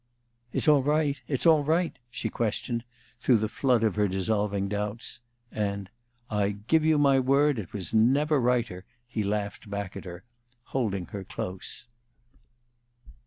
"It's all right it's all right?" she questioned, through the flood of her dissolving doubts; and "I give you my word it never was righter!" he laughed back at her, holding her close.